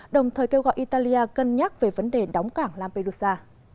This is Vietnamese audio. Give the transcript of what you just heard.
đồng thời kêu gọi italia cân nhắc về vấn đề đóng cảng lampedusa